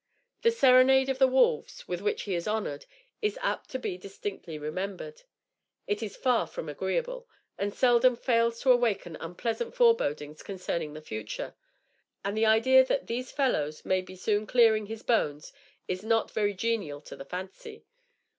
The serenade of the wolves with which he is honored, is apt to be distinctly remembered. It is far from agreeable, and seldom fails to awaken unpleasant forebodings concerning the future; and, the idea that these fellows may be soon clearing his bones, is not very genial to the fancy.